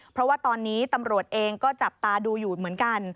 เพราะว่าตอนนี้ตำรวจเองก็จับตาดูอยู่เหมือนกัน